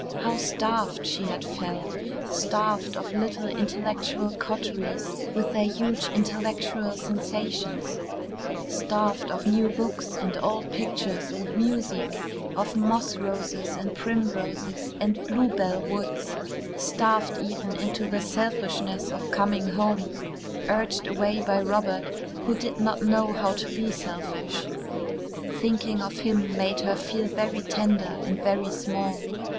How starved she had felt starved of little intellectual coteries with their huge intellectual sensations starved of new books and old pictures and music, of moss roses and primroses and bluebell woods, starved even into the selfishness of coming home, urged away by Robert, who did not know how to be selfish. Thinking of him made her feel very tender and very small.